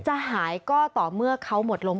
จะหายก็ต่อเมื่อเขาหมดลม